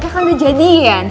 dia kan udah jadi kan